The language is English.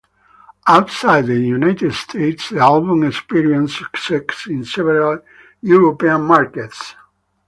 Outside the United States, the album experienced success in several European markets.